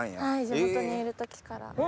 はい地元にいる時から。